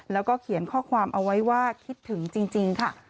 แล้วก็เขียนข้อความเอาไว้ว่าคิดถึงจริงค่ะ